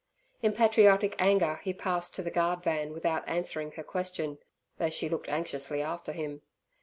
In patriotic anger he passed to the guard van without answering her question, though she looked anxiously after him.